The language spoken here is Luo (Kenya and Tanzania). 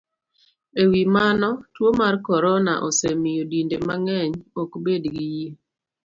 E wi mano, tuo mar corona osemiyo dinde mang'eny ok bed gi yie,